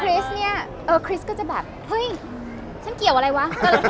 ริสเนี่ยเออคริสต์ก็จะแบบเฮ้ยฉันเกี่ยวอะไรวะ